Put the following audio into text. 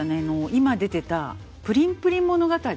今出てた「プリンプリン物語」